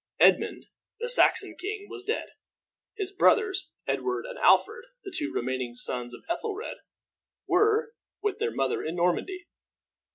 Edmund, the Saxon king, was dead. His brothers Edward and Alfred, the two remaining sons of Ethelred, were with their mother in Normandy.